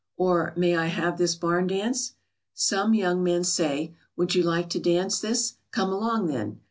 or "May I have this barn dance?" Some young men say, "Would you like to dance this? Come along then!"